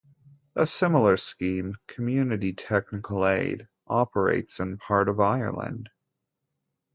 A similar scheme, Community Technical Aid, operates in part of Ireland.